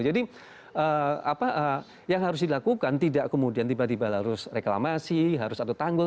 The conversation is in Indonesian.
jadi apa yang harus dilakukan tidak kemudian tiba tiba harus reklamasi harus ada tanggul